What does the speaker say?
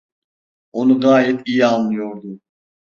Onu gayet iyi anlıyordu.